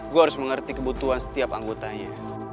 gue harus mengerti kebutuhan setiap anggotanya